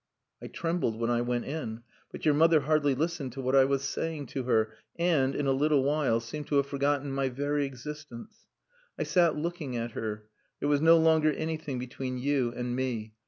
I trembled when I went in; but your mother hardly listened to what I was saying to her, and, in a little while, seemed to have forgotten my very existence. I sat looking at her. There was no longer anything between you and me.